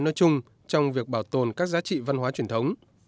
nói chung trong việc bảo tồn các giá trị văn hóa truyền thống